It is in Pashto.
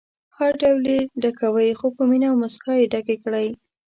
هر ډول یې ډکوئ خو په مینه او موسکا ډکې کړئ.